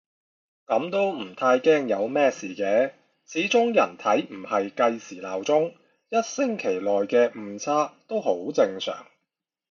噉都唔太驚有乜事嘅，始終人體唔係計時鬧鐘，一星期內嘅誤差都好正常